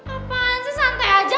apaan sih santai aja